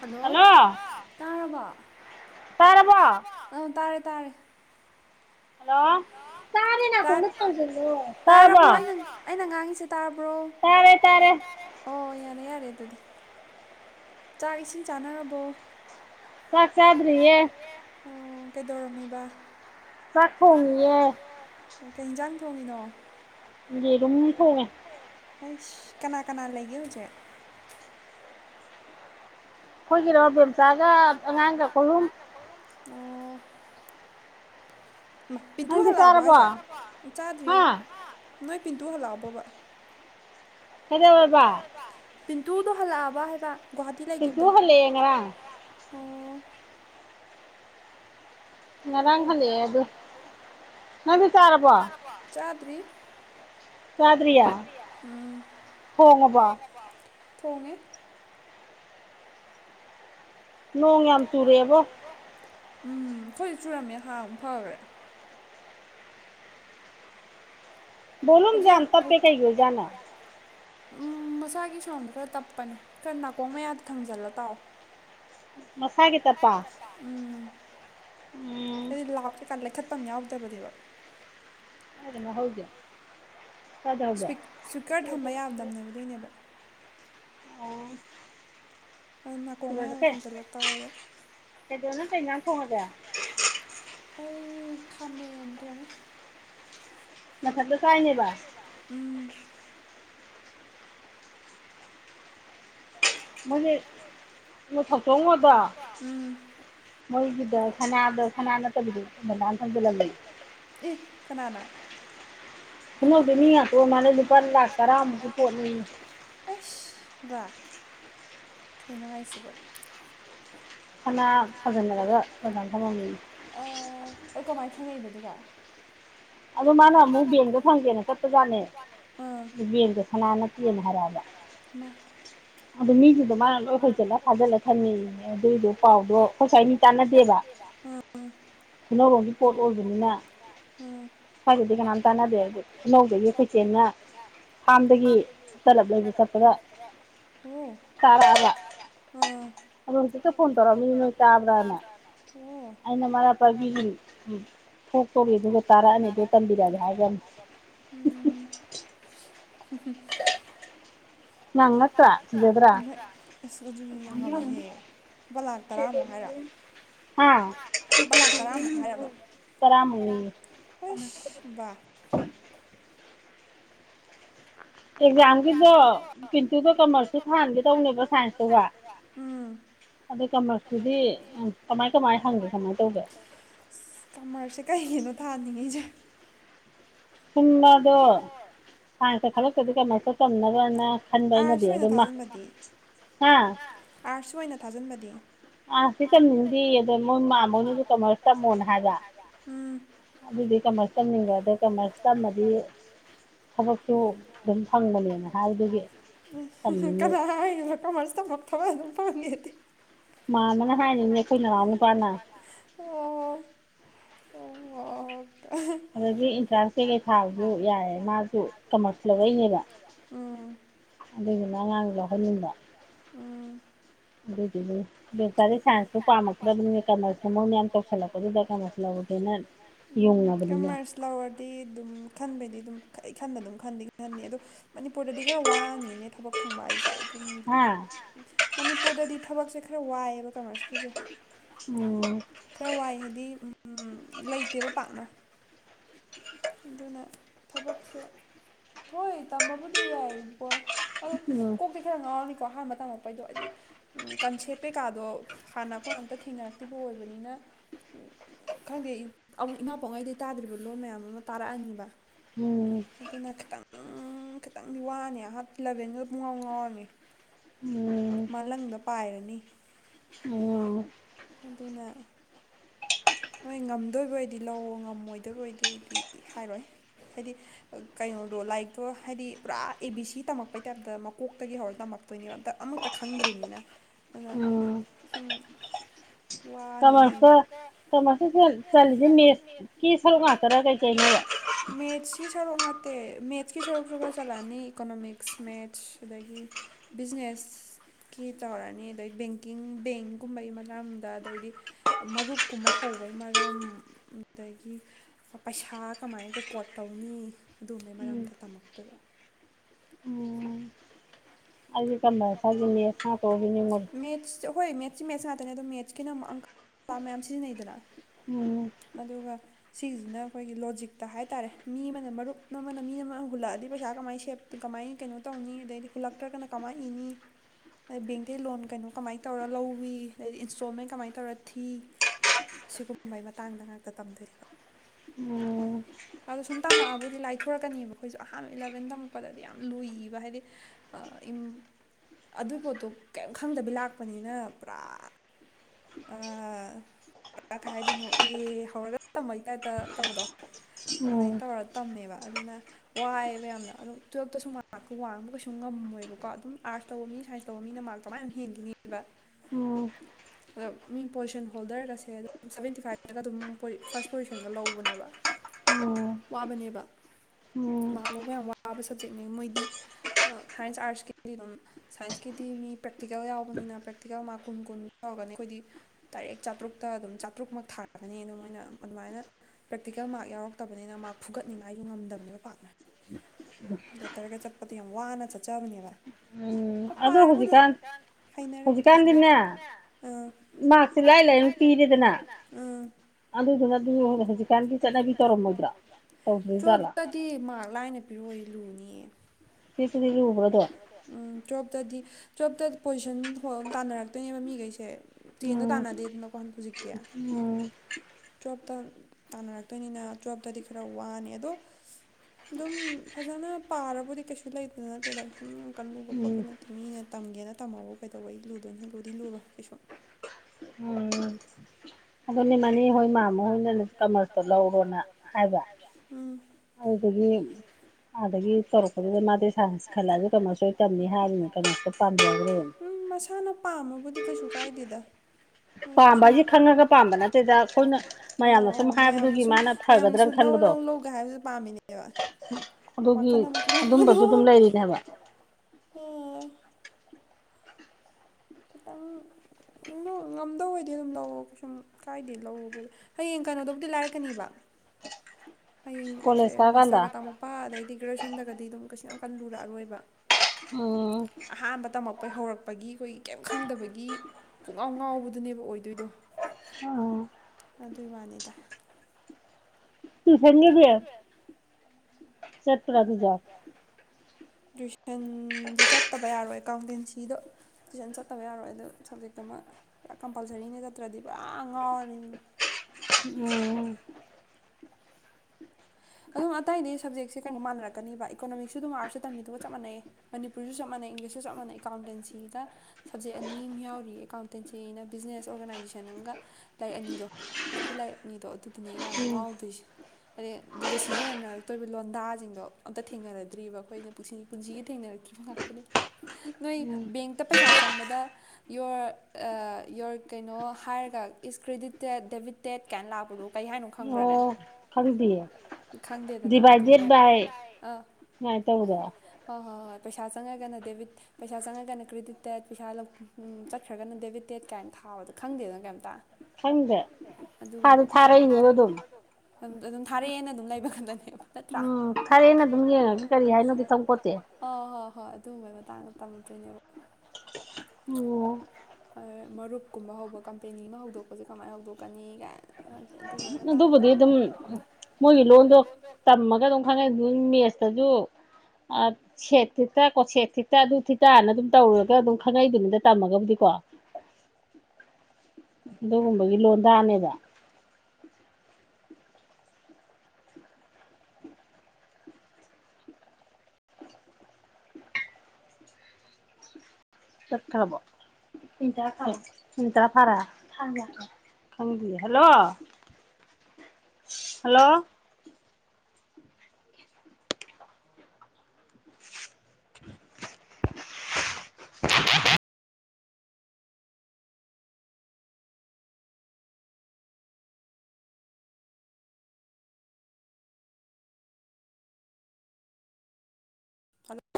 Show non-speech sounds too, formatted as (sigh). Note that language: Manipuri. ꯍꯜꯂꯣ ꯇꯥꯔꯕꯣ ꯇꯥꯔꯥꯕꯣ ꯎꯟ ꯇꯥꯔꯦ꯫ ꯇꯥꯔꯦ ꯍꯜꯂꯣ ꯇꯥꯔꯦ ꯅꯥꯀꫭꯡꯗ ꯊꯥꯡꯖꯜꯂꫭ ꯇꯥꯔꯕꫭ ꯇꯥꯔꯦ ꯇꯥꯔꯦ (inaudible) ꯆꯥꯛ ꯏꯁꯤꯡ ꯆꯥꯅꯔꯕꯣ꯫ ꯆꯥꯥꯛ ꯆꯥꯗ꯭ꯔꯤꯌꯦ꯫ ꯑꫭ ꯀꯩꯗꯧꯔꯝꯃꯤꯕ꯫ ꯆꯥꯛ ꯊꫭꯡꯏꯌꯦ꯫ ꯑꯣ ꯀꯩ ꯍꯤꯟꯖꯥꯡ ꯊꯣꯡꯉꯤꯅꯣ꯫ ꯌꯦꯔꯨꯝ ꯊꫭꯡꯉꯦ꯫ ꯑꯩꯁ ꯀꯅꯥ ꯀꯅꯥ ꯂꯩꯒꯦ ꯍꯧꯖꯤꯛ꯫ ꯑꯩꯈꯣꯏꯒꯤꯔꯣ ꯕꯣꯝꯆꯥꯒ ꯑꯉꯥꯡꯒ ꯑꯩꯈꯣꯏ ꯑꯍꯨꯝ꯫ ꯑꯣ ꯃ ꯄꯤꯟꯗꯨ ꯍꯜꯂꯛꯑꯕꫭ ꯍꯥꯏꯁꯦ ꯆꯥꯛ ꯆꯥꯔꯕꯣ ꯆꯥꯗ꯭ꯔꯤꯌꯦ ꯍꯥ꯫ ꯅꯣꯏ ꯄꯤꯟꯇꯨ ꯍꯜꯂꯥꯛꯑꯕꫭꯕ꯫ ꯀꯩꯗꯧꯌꯦꯕꯥ꯫ ꯄꯤꯟꯇꯨꯗꯣ ꯍꯜꯂꯛꯑꯕ ꯍꯥꯏꯕ ꯄꯤꯟꯇꯨ ꯍꯟꯂꯛꯑꯦ ꯉꯥꯔꯥꯡ (unintelligible) ꯉꯥꯔꯥꯡ ꯍꯜꯂꯛ ꯑꯦ ꯑꯗꯣ ꯅꯪꯗꯤ ꯆꯥꯔꯕꯣ ꯆꯥ ꯇ꯭ꯔꯤ ꯆꯗ꯭ꯔꯤꯌꯦ ꯎꯝ ꯊꯣꯡꯉꯥꯕꯣ ꯑꯝ ꯊꯣꯡꯉꯦ ꯅꯣꯡ ꯌꯥꯝ ꯆꯨꯔꯛꯑꯦꯕꯣ ꯎꯝ ꯑꯩꯈꯣꯏꯗꯤ ꯆꯨꯔꯝꯃꯦ ꯍꯥꯡ (unintelligible) ꯐꯈ꯭ꯔꯦ ꯚꯣꯂꯨꯝꯖꯦ ꯌꯥꯝ ꯇꯞꯄꯦ ꯀꯩꯒꯤ ꯑꯣꯏꯖꯥꯠꯅꯣ ꯎꯝ ꯃꯁꯥꯒꯤ ꯁꯥꯎꯟꯗꯣ ꯈꯔ ꯇꯞꯄꯅꯦ ꯈꯔ ꯅꯥꯀꯣꯡ ꯃꯌꯥꯗ ꯊꯥꯡꯖꯜꯂꯒ ꯇꯥꯎꯑꯣ꯫ ꯃꯁꯥꯒꯤ ꯇꯞꯄꯥ ꯑꯝ ꯍꯥꯏꯗꯤ ꯂꯥꯎꯠ ꯀꯩ ꯀꯥ ꯂꯩꯈꯠ ꯌꯥꯎꯗꯕꯅꯦꯕ ꯑꯅ ꯍꯧꯒ ꯁꯄꯤꯀꯔ ꯊꯝꯕ ꯌꯥꯗꯝꯅꯦꯕꯗꯣꯏꯅꯦꯕ ꯑꯣ ꯑꯣ ꯅꯪ ꯀꯩ ꯍꯦꯟꯖꯡ ꯊꯣꯡꯉꯥꯒꯦ ꯑꯩ ꯈꯥꯃꯦꯟ ꯊꯣꯡꯉꯦ ꯅꯊꯟꯇ ꯆꯥꯏꯅꯦꯕ ꯃꯣꯏꯁ ꯊꯆꯣꯡꯉꯗꯣ ꯃꯣꯏꯒꯤꯗ ꯁꯅꯥꯗ ꯁꯅꯥ ꯅꯠꯇꯕꯤꯗ ꯕꯅꯥꯟ ꯊꯝꯖꯤꯜꯂꯝꯃꯦ ꯑꯦ ꯀꯅꯥꯅꯥ ꯈꯨꯅꯧꯗꯩꯩ ꯃꯤ ꯉꯥꯛꯇ ꯑꯣꯏꯔꯃꯜꯂꯦ ꯂꯨꯄꯥ ꯂꯥꯛ ꯇꯔꯥꯃꯨꯛꯀꯤ ꯄꯣꯠꯅꯦꯌꯦ ꯍꯩꯁ ꯕꯥ ꯀꯩꯅꯣ ꯍꯥꯏꯁꯤꯕꯣ ꯁꯥꯅꯥ ꯁꯖꯟꯅꯔꯒ ꯕꯥꯟꯗꯟ ꯊꯥꯅꯝꯃꯦꯌꯦ ꯑꯩ ꯀꯃꯥꯏꯅ ꯊꯪꯉꯛꯏꯕ ꯑꯗꯨꯅ ꯑꯗꯣ ꯃꯥꯅ ꯑꯃꯨꯛ ꯕꯦꯡꯗ ꯊꯝꯒꯦꯅ ꯆꯠꯄꯖꯥꯠꯅꯦ ꯕꯦꯡꯗ ꯁꯅꯥ ꯅꯠꯇꯦꯅ ꯍꯥꯏꯔꯛꯑꯕ ꯑꯗꯨ ꯃꯤꯗꯨꯗꯣ ꯃꯥꯅ ꯂꯣꯏ ꯍꯣꯏꯖꯤꯜꯂ ꯐꯥꯖꯤꯜꯂ ꯊꯝꯃꯤꯅꯦ ꯑꯗꯨꯏꯗꯣ ꯑꯗꯨꯗꯣ ꯄꯥꯎꯗꯣ ꯀꯁꯥꯏꯗꯤ ꯇꯥꯟꯅꯗꯦꯕ ꯈꯨꯅꯧꯔꯣꯝꯒꯤ ꯄꯣꯠ ꯑꯣꯏꯕꯅꯤꯅ ꯁ꯭ꯋꯥꯏꯗꯗꯤ ꯀꯅꯥꯝ ꯇꯥꯟꯅꯗꯦ ꯑꯗꯨ ꯈꯨꯅꯧꯗꯒꯤ ꯑꯩꯈꯣꯏꯆꯦꯅ ꯐꯥꯝꯗꯒꯤ ꯇꯂꯞ ꯂꯩꯕ ꯆꯠꯄꯗ ꯇꯥꯔꯛꯑꯒ ꯑꯗꯣ ꯍꯧꯖꯤꯛꯇ ꯐꯣꯟ ꯇꯔꯛ ꯐꯣꯟ ꯇꯧꯔꯝꯃꯤ ꯅꯣꯏ ꯇꯕ꯭ꯔꯥꯅ ꯑꯩꯅ ꯃꯔꯥꯄꯥꯥꯏꯕꯤ ꯀꯣꯛ ꯇꯕꯗ ꯆꯥꯔꯛꯑꯅꯤꯗꯣꯝꯕꯤꯔꯅꯤ ꯍꯨꯝ ꯌꯥꯝ ꯉꯛꯇꯔꯥ ꯀꯤꯖꯗꯔꯥ ꯍꯥ (inaudible) ꯇꯔ꯭ꯃꯨꯛꯅꯦꯌꯦ (unintelligible) ꯑꯦꯛꯖꯥꯝꯒꯤꯗꯣ ꯄꯤꯟꯇꯨꯗꯣ ꯀꯝꯃꯔꯁꯇ ꯊꯥꯍꯟꯒꯦ ꯇꯧꯅꯦꯕ ꯁꯥꯏꯟꯁꯇꯨꯒ ꯎꯝ ꯑꯗꯨ ꯀꯝꯃꯔꯁꯇꯨꯗꯤ ꯀꯃꯥꯏ ꯀꯃꯥꯏ ꯍꯪꯒꯦ ꯀꯃꯥꯏꯅ ꯇꯧꯒꯦ ꯀꯝꯃꯔꯁ ꯁꯦ ꯀꯩꯒꯤꯅꯣ ꯊꯥꯍꯟꯅꯤꯡꯉꯤꯁꯦ ꯥꯑꯥꯔꯠꯁ ꯇ ꯣꯏꯅ ꯊꯥꯖꯟꯕꯗꯤ ꯑꯥꯔꯠꯁ ꯇ ꯑꯣꯏꯅ ꯊꯥꯖꯟꯕꯗꯤ ꯑꯥꯔꯠꯁꯇꯤ ꯇꯝꯅꯤꯡꯗꯦꯌꯦ ꯑꯗꯣ ꯃꯣꯏ ꯃꯥꯃ ꯍꯣꯏꯅꯁꯨ ꯀꯃꯔꯁ ꯇꯝꯃꯣꯅ ꯍꯥꯏꯕ ꯑꯗꯨꯏꯗꯨꯏ ꯀꯃꯔꯁ ꯇ ꯇꯝꯅꯤꯡꯕ ꯑꯗꯣ ꯀꯃꯔꯁ ꯇꯝꯃ (inaudible) (inaudible) (inaudible) ꯑꯣ ꯑꯣ ꯑꯗꯨꯗꯤ ꯏꯟꯠꯔꯟꯁ ꯀꯩ ꯀꯩ ꯊꯥ (unintelligible) ꯑꯗꯨ ꯌꯥꯔꯦ ꯃꯥꯁꯨ ꯀꯃꯔꯁ ꯂꯧꯔꯛꯏꯅꯦꯕ ꯑꯗꯨꯗꯨꯅ ꯑꯉꯥꯡꯁꯨ ꯂꯧꯍꯟꯅꯤꯡꯕ (inaudible) ꯎꯝ ꯀꯃꯔꯁ ꯂꯧꯔꯗꯤ ꯗꯨꯝ ꯈꯟꯕꯩꯗꯤ ꯑꯗꯨꯝ ꯏꯈꯟꯗ ꯑꯗꯨꯝ ꯈꯟꯗꯤ ꯈꯟꯅꯤ ꯑꯗꯣ ꯃꯅꯤꯄꯨꯔꯗꯗꯤ ꯈꯔ ꯋꯥꯔꯅꯤꯡꯉꯦ ꯊꯕꯛ ꯐꯪꯕ ꯍꯥꯏꯁꯦ (unintelligible) ꯃꯅꯤꯄꯨꯔꯗꯗꯤ ꯊꯕꯛꯁꯦ ꯈꯔ ꯋꯥꯏꯑꯦꯕ ꯀꯃꯔꯁꯀꯤꯁꯦ ꯈꯔ ꯋꯥꯏ ꯍꯥꯏꯗꯤ ꯎꯝ ꯂꯩꯇꯦꯕ ꯄꯥꯛꯅ ꯑꯗꯨꯅ ꯊꯕꯛꯁꯦ ꯍꯣꯏ ꯇꯝꯕꯕꯨꯗꯤ ꯌꯥꯏꯌꯦꯕ ꯀꯣ ꯑꯣ ꯀꯣꯛꯇꯤ ꯈꯔ ꯉꯥꯎꯔꯅꯤꯀꯣ ꯑꯍꯥꯟꯕ ꯇꯝꯃꯛꯄꯩꯗꯣ ꯍꯥꯏꯗꯤ ꯎꯝ ꯀꯟꯁꯦꯞ ꯀꯩꯀꯥꯗꯣ ꯍꯥꯟꯅ ꯑꯩꯈꯣꯏꯅ ꯑꯝꯇ ꯊꯦꯡꯅꯔꯛꯇꯔꯤꯕ ꯑꯣꯏꯕꯅꯤꯅ ꯈꯪꯗꯦ ꯏꯃꯥ ꯄꯣꯛꯉꯩꯗ ꯇꯥꯗ꯭ꯔꯤꯕ ꯂꯣꯟ ꯃꯌꯥꯝ ꯑꯃ ꯇꯥꯔꯛꯑꯅꯤꯕ (unintelligible) ꯎꯝ ꯈꯤꯇꯪꯗꯤ ꯋꯥꯅꯤꯍꯥꯛ ꯏꯂꯚꯦꯟꯒ ꯄꯨꯡ ꯉꯥꯎ ꯉꯥꯎꯔꯅꯤ ꯎꯝ ꯃꯂꯪꯗ ꯄꯥꯏꯔꯅꯤ ꯑꯗꯨꯅ ꯍꯣꯏ ꯉꯝꯗꯣꯏꯕ ꯑꯣꯏꯗꯤ ꯂꯧꯑꯣ ꯉꯝꯃꯣꯏꯗꯣꯏꯕ ꯑꯣꯏꯗꯤ ꯑꯩꯗꯤ ꯍꯥꯏꯔꯣꯏ ꯍꯥꯏꯗꯤ ꯀꯩꯅꯣꯗꯣ ꯂꯥꯏꯔꯤꯛꯇꯣ ꯍꯥꯏꯗꯤ ꯄꯨꯔꯥ ꯑꯦ ꯕꯤ ꯁꯤ ꯇꯝꯃꯛꯄꯩ ꯇꯥꯏꯞꯇ ꯃꯀꯣꯛꯇꯒꯤ ꯍꯧꯔꯒ ꯇꯝꯃꯛꯇꯣꯏꯅꯦꯕ ꯑꯃꯇ ꯑꯃꯨꯛꯇ ꯈꯪꯗ꯭ꯔꯤꯕꯅꯤꯅ ꯑꯗꯨꯗ ꯁꯨꯝ ꯋꯥꯅꯦ ꯀꯥꯃꯔꯆꯇ ꯆꯜꯂꯤꯁꯦ ꯃꯦꯁꯀꯤ ꯁꯔꯨꯛ ꯉꯥꯛꯇꯔꯥ ꯀꯩꯀꯩꯅꯣꯕ ꯁꯤ ꯁꯔꯨꯛ ꯅꯠꯇꯦ ꯃꯦꯠꯁꯀꯤ ꯁꯔꯨꯛꯁꯨ ꯈꯔ ꯆꯠꯂꯛꯑꯅꯤ ꯏꯀꯣꯅꯣꯃꯤꯛꯁ ꯃꯦꯠꯁ ꯑꯗꯒꯤ ꯕꯤꯖꯤꯅꯦꯁꯀꯤ ꯇꯧꯔꯛꯑꯅꯤ ꯑꯗꯩ ꯕꯦꯡꯀꯤꯡ ꯕꯦꯡꯀꯨꯝꯕꯒꯤ ꯃꯇꯥꯡꯗ ꯑꯗꯩꯗꯤ ꯃꯔꯨꯞ ꯀꯨꯝꯕ ꯍꯧꯕꯩ ꯃꯔꯝ ꯑꯗꯒꯤ ꯄꯩꯁꯥ ꯀꯃꯥꯏꯅ ꯔꯦꯀꯣꯔꯠ ꯇꯧꯅꯤ ꯑꯗꯨꯝꯕꯩ ꯃꯔꯝꯗ ꯇꯝꯃꯛꯇꯕ (unintelligible) ꯁꯤ ꯍꯣꯏ ꯃꯦꯠꯁꯁꯤ ꯃꯦꯠꯁ ꯉꯥꯛꯇꯅꯦ ꯑꯗꯣ ꯃꯦꯠꯁꯀꯤꯅ ꯑꯃꯨꯛ ꯑꯪꯀꯥ ꯃꯌꯥꯝ ꯁꯤꯖꯤꯟꯅꯩꯗꯅ ꯎꯝ ꯑꯗꯨꯒ ꯁꯤꯒꯤꯁꯤꯅ ꯑꯩꯈꯣꯏꯒꯤ ꯂꯣꯖꯤꯛꯇ ꯍꯥꯏꯇꯥꯔꯦ ꯃꯤ ꯑꯃꯅ ꯃꯔꯨꯞ ꯑꯃꯅ ꯃꯤ ꯑꯃꯅ ꯍꯨꯜꯂꯛꯑꯗꯤ ꯄꯩꯁꯥ ꯀꯃꯥꯏꯅ ꯁꯦꯞ ꯀꯃꯥꯏꯅ ꯀꯩꯅꯣ ꯇꯧꯅꯤ ꯑꯗꯩ ꯍꯨꯜꯂꯛꯇ꯭ꯔꯒꯅ ꯀꯃꯥꯏꯅ ꯏꯅꯤ ꯑꯗꯩ ꯕꯦꯡꯇꯩꯒꯤ ꯂꯣꯟ ꯀꯩꯅꯣ ꯀꯃꯥꯏꯅ ꯇꯧꯔ ꯂꯧꯋꯤ ꯑꯗꯩꯗꯤ ꯏꯟꯁꯇꯣꯜꯃꯦꯟ ꯀꯃꯥꯏꯅ ꯇꯧꯔ ꯊꯤ ꯁꯤꯒꯨꯝꯕꯩ ꯃꯇꯥꯡꯗ ꯉꯥꯛꯇ ꯇꯝꯗꯣꯏꯅꯦꯕ ꯑꯗꯣ ꯁꯨꯝ ꯇꯝꯃꯛꯑꯕꯗꯤ ꯂꯥꯏꯊꯣꯔꯛꯀꯅꯤꯕ ꯑꯩꯈꯣꯏꯁꯨ ꯑꯍꯥꯟꯕ ꯏꯂꯚꯦꯟ ꯇꯝꯃꯛꯄꯗꯗꯤ ꯌꯥꯝ ꯂꯨꯏꯕ ꯍꯥꯏꯗꯤ ꯑꯗꯨꯏ ꯄꯣꯠꯇꯣ ꯀꯔꯤꯝ ꯈꯪꯗꯕꯤ ꯂꯥꯛꯄꯅꯤꯅ ꯄꯨꯔꯥ (unintelligible) ꯍꯥꯏꯗꯣꯏꯅꯣ ꯑꯦ ꯍꯧꯔꯒ ꯇꯝꯕꯒꯤ ꯇꯥꯏꯞꯇ ꯇꯧꯕꯗꯣ ꯑꯗꯨꯃꯥꯏꯅ ꯇꯧꯔ ꯇꯝꯃꯦꯕ ꯑꯗꯨꯅ ꯋꯥꯏꯑꯦꯕ ꯌꯥꯝꯅ ꯑꯣ ꯇꯨꯋꯜꯞꯇꯁꯨ ꯃꯥꯔꯀ ꯋꯥꯡꯕ ꯀꯩꯁꯨ ꯉꯝꯃꯣꯏꯕꯀꯣ ꯑꯗꯨꯝ ꯑꯥꯔꯠꯁ ꯂꯧꯕ ꯃꯤ ꯁꯥꯏꯟꯁ ꯂꯧꯕ ꯃꯤꯅ ꯃꯥꯔꯛꯇ (unintelligible) ꯍꯦꯟꯈꯤꯅꯦꯕ ꯎꯝ ꯃꯤ ꯄꯣꯖꯤꯁꯟ ꯍꯣꯜꯗꯔꯒꯁꯦ ꯑꯗꯨꯝ ꯁꯕꯦꯟꯇꯤ ꯐꯥꯏꯚꯇꯒ ꯑꯗꯨꯝ ꯐꯥꯔꯁ ꯄꯣꯖꯤꯁꯟꯒ ꯂꯧꯕꯅꯦꯕ ꯋꯥꯕꯅꯦꯕ ꯃꯥꯛ ꯂꯧꯕ ꯌꯥꯝ ꯋꯥꯕ ꯁꯕꯖꯦꯛꯅꯤ ꯃꯣꯏꯗꯤ ꯁꯥꯏꯟꯁ ꯑꯥꯔꯠꯁꯀꯤꯗꯤ ꯑꯗꯨꯝ ꯁꯥꯏꯟꯁꯀꯤꯗꯤ ꯃꯤ ꯄ꯭ꯔꯦꯛꯇꯤꯀꯦꯜ ꯌꯥꯎꯕꯅꯤꯅ ꯄ꯭ꯔꯦꯛꯇꯤꯀꯦꯜ ꯃꯥꯛ ꯀꯨꯟ ꯀꯨꯟ ꯌꯥꯎꯔꯒꯅꯤ ꯑꯈꯣꯏꯗꯤ ꯗꯥꯏꯔꯦꯛ ꯆꯥꯇ꯭ꯔꯨꯛꯇ ꯑꯗꯨꯝ ꯆꯥꯇ꯭ꯔꯨꯛꯃꯛ ꯊꯥꯔꯒꯅꯤ ꯑꯗꯣ ꯃꯣꯏꯅ ꯑꯗꯨꯃꯥꯏꯅ ꯄ꯭ꯔꯦꯛꯇꯤꯀꯦꯜ ꯃꯥꯔꯛ ꯌꯥꯎꯔꯛꯇꯕꯅꯤꯅ ꯃꯥꯛ ꯐꯨꯒꯠꯅꯤꯉꯥꯏꯁꯨ ꯉꯝꯗꯕꯅꯦꯕ ꯄꯥꯛꯅ (unintelligible) ꯂꯦꯇꯔꯒ ꯆꯠꯄꯗ ꯋꯥꯅ ꯆꯠꯆꯕꯅꯦꯕ ꯄꯥꯔꯕꯨꯗꯤ (unintelligible) (inaudible) ꯇꯨꯌꯦꯜꯄꯇꯗꯤ ꯃꯥꯛ ꯂꯥꯏꯅ ꯄꯤꯔꯛꯑꯣꯏꯌꯦ ꯌꯦ (inaudible) ꯎꯝ ꯇꯨꯌꯦꯜꯄꯇꯗꯤ ꯇꯨꯌꯦꯜꯄꯇ ꯄꯣꯖꯤꯁꯟ ꯐ ꯇꯥꯟꯅꯔꯛꯇꯣꯏꯅꯦꯕ ꯃꯤꯒꯩꯁꯦ ꯇꯦꯟꯗ ꯇꯥꯟꯅꯗꯦꯗꯅꯀꯣ ꯍꯨꯖꯤꯛꯇꯤ (unintelligible) ꯇꯥꯟꯅꯔꯛꯇꯣꯏꯅꯤꯅ ꯇꯨꯌꯦꯜꯞꯇꯗꯤ ꯈꯔ ꯋꯥꯅꯤ ꯑꯗꯣ ꯑꯗꯨꯝ ꯄꯥꯔꯕꯨꯗꯤ ꯀꯩꯁꯨ ꯂꯩꯕ ꯅꯠꯇꯦꯗ (inaudible) (unintelligible) ꯈꯣꯠꯄ ꯅꯠꯇꯦ ꯃꯤꯅ ꯇꯝꯒꯦꯅ ꯇꯝꯃꯕ ꯀꯩꯗꯧꯕꯩ ꯂꯨꯗꯣꯏꯅꯣ ꯂꯨꯗꯤ ꯂꯨꯔꯣꯏ ꯀꯩꯁꯨ (inaudible) (inaudible) ꯎꯝ ꯎꯝ ꯃꯁꯥꯅ ꯄꯥꯝꯃꯕꯨꯗꯤ ꯀꯩꯁꯨ ꯀꯥꯏꯗꯦꯗ ꯄꯥꯝꯕꯖꯤ ꯈꯪꯉꯒ (inaudible) ꯑ ꯄꯥꯝꯕꯅꯠ ꯑꯣ ꯃꯌꯥꯝꯅ ꯁꯨꯝ ꯃꯌꯥꯝꯅꯁꯨ ꯂꯧ ꯂꯧ ꯂꯧꯒ ꯍꯥꯏꯕꯁꯨ ꯄꯥꯝꯃꯤꯅꯦꯕ ꯋꯥꯈꯜ ꯑꯃ ꯈꯜꯂꯛꯄꯗꯣ (inaudible) ꯍꯣꯏ ꯈꯤꯇꯪ ꯉꯝꯗꯧ ꯑꯣꯏꯗꯤ ꯑꯗꯨꯝ ꯂꯧꯔꯣ ꯀꯩꯁꯨꯝ ꯀꯥꯏꯗꯦ ꯂꯧꯕ ꯍꯌꯦꯡ ꯀꯩꯅꯣꯗꯕꯨꯗꯤ ꯂꯥꯏꯔꯛꯀꯅꯦꯕ ꯍꯌꯦꯡꯁꯦ ꯃꯥꯁꯇꯔꯒ ꯇꯝꯃꯛꯄ ꯑꯗꯩꯗꯤ ꯒ꯭ꯔꯦꯖꯨꯋꯦꯁꯟꯗꯒꯗꯤ ꯑꯗꯨꯝ ꯀꯩꯁꯨ (inaudible) ꯂꯨꯔꯛꯑꯔꯣꯏꯕ ꯎꯝ ꯍꯧꯔꯛꯄꯒꯤ ꯑꯈꯣꯏꯒꯤ ꯀꯩꯝ ꯈꯪꯗꯕꯒꯤ ꯄꯨꯡꯉꯥꯎ ꯉꯥꯎꯕꯗꯨꯅꯦꯕ ꯑꯣꯏꯗꯣꯏꯗꯣ꯫ ꯑꯗꯨꯏ ꯋꯥꯅꯤꯗ (unintelligible) ꯇꯨꯏꯁꯟꯗꯤ ꯆꯠꯇꯕ ꯌꯥꯔꯣꯏ ꯑꯦꯀꯥꯎꯟꯇꯦꯟꯁꯤꯗꯣ ꯇꯨꯏꯁꯟ ꯆꯠꯇꯕ ꯌꯥꯔꯣꯏ ꯑꯗꯣ ꯁꯞꯖꯦꯛꯇꯨꯃ ꯄꯨꯔꯥ ꯀꯝꯄꯜꯁꯔꯤꯅꯦ ꯆꯠꯇ꯭ꯔꯗꯤ ꯄꯨꯔꯥ ꯉꯥꯎꯔꯅꯤ꯫ ꯑꯗꯨꯝ ꯑꯇꯩꯏꯗꯤ ꯁꯞꯕꯖꯦꯛꯁꯦ ꯀꯩꯅꯣ ꯃꯥꯟꯅꯛꯀꯅꯤꯕ ꯏꯀꯣꯅꯣꯃꯤꯛꯁꯁꯨ ꯑꯗꯨꯝ ꯑꯥꯔꯠꯁꯁꯨ ꯇꯝꯃꯤꯗꯨꯒ ꯆꯞ ꯃꯥꯟꯅꯩꯌꯦ ꯃꯅꯤꯄꯨꯔꯤꯁꯨ ꯆꯞ ꯃꯥꯟꯅꯩ ꯏꯪꯂꯤꯁꯁꯨ ꯆꯞꯃꯥꯟꯅꯩ ꯑꯦꯀꯥꯎꯟꯇꯦꯟꯁꯤꯗ ꯁꯞꯖꯦꯛ ꯑꯅꯤ ꯑꯃ ꯌꯥꯎꯔꯤ ꯑꯦꯀꯥꯎꯟꯇꯦꯟꯁꯤꯅ ꯕꯤꯖꯤꯅꯦꯁ ꯑꯣꯔꯒꯅꯥꯏꯖꯦꯁꯟꯒ ꯂꯥꯏꯔꯤꯛ ꯑꯅꯤꯗꯣ ꯍꯧꯖꯤꯛꯀꯤ ꯂꯥꯏꯔꯤꯛ ꯑꯅꯤꯗꯣ ꯑꯗꯨꯗꯨꯅꯦ ꯌꯥꯝ ꯉꯥꯎꯗꯣꯏꯁꯦ ꯑꯗꯩ ꯑꯗꯨꯗ ꯁꯤꯖꯤꯟꯅꯅꯔꯛꯇꯣꯔꯤꯕ ꯂꯣꯟꯗꯥꯁꯤꯡꯗꯣ ꯑꯝꯇ ꯊꯦꯡꯅꯔꯛꯇꯔꯤꯕ ꯑꯩꯈꯣꯏꯅ ꯄꯨꯁꯤ ꯄꯨꯟꯁꯤꯒꯤ ꯊꯦꯡꯅꯔꯛꯇ꯭ꯔꯤꯕ ꯉꯥꯛꯇꯅꯤ ꯅꯣꯏ ꯕꯦꯡꯇ ꯄꯩꯁꯥ ꯆꯪꯕꯗ ꯌꯣꯔ ꯑꯥ ꯌꯣꯔ ꯀꯩꯅꯣ ꯍꯥꯏꯔꯒ ꯏꯁ ꯀ꯭ꯔꯦꯗꯤꯠꯇꯦꯠ ꯗꯦꯕꯤꯠꯇꯦꯠ ꯀꯥꯏꯅ ꯂꯥꯛꯄꯗꯣ ꯀꯩ ꯍꯥꯏꯅꯣ ꯈꯪꯕ꯭ꯔꯅꯦ꯫ ꯈꯪꯗꯦꯗꯅ ꯑꯗꯨꯝꯕꯩ ꯑꯥ ꯍꯣ ꯍꯣꯏ ꯄꯩꯁꯥ ꯆꯪꯉꯒꯅ ꯗꯦꯕꯤꯠ ꯄꯩꯁꯥ ꯆꯪꯉꯒꯅ ꯀ꯭ꯔꯦꯗꯤꯠꯇꯇꯦꯠ ꯄꯩꯁꯥ ꯆꯠꯈ꯭ꯔꯒꯅ ꯗꯦꯕꯤꯠꯇꯇꯦꯠ ꯀꯥꯏꯅ ꯊꯥꯕꯗꯣ ꯈꯪꯗꯦꯗꯅꯣ ꯀꯩꯝꯇ ꯑꯗꯨꯒꯨꯝꯕ (unintelligible) (unintelligible) ꯑꯗꯨꯝ ꯊꯥꯔꯛꯑꯦꯅ ꯑꯗꯨꯝ ꯂꯩꯕ ꯈꯛꯇꯅꯦꯕ ꯅꯠꯇ꯭ꯔꯥ ꯑꯣ ꯍꯣ ꯍꯣꯏ ꯑꯗꯨꯒꯕꯒꯤ ꯃꯇꯥꯡꯗ ꯇꯝꯃꯛꯇꯣꯏꯅꯦꯕ ꯃꯔꯨꯞꯀꯨꯝꯕ ꯍꯧꯕ ꯀꯝꯄꯦꯅꯤ ꯑꯃ ꯍꯧꯗꯣꯛꯄꯁꯦ ꯀꯃꯥꯏꯅ ꯍꯧꯗꯣꯛꯀꯅꯤ ꯀꯥꯏꯅꯒ ꯑꯗꯨꯕꯨꯗꯤ ꯑꯗꯨꯝ ꯃꯣꯏꯒꯤ ꯂꯣꯟꯗꯣ ꯇꯝꯃꯒ ꯑꯗꯨꯝ ꯈꯪꯉꯩ ꯑꯗꯨ ꯃꯦꯁ (unintelligible) ꯑꯗꯨ ꯁꯦꯠ ꯊꯦꯇ ꯀꯣꯁꯦꯠ ꯊꯦꯇ ꯑꯗꯨ ꯊꯤꯛꯇꯅ ꯑꯗꯨꯝ ꯇꯧꯔꯨꯔꯒ ꯑꯗꯨꯝ ꯈꯪꯍꯩꯕꯅꯤꯗ ꯇꯝꯃꯒꯕꯨꯗꯤꯀꯣ ꯑꯗꯨꯒꯨꯝꯕꯒꯤ ꯂꯣꯟꯗꯥꯅꯦꯕ꯫ (inaudible) (unintelligible) Hello hello (inaudible) (inaudible) (unintelligible) (inaudible)